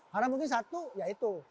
karena mungkin satu ya itu